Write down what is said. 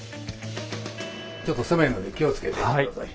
ちょっと狭いので気をつけて来て下さい。